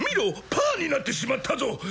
パーになってしまったぞ！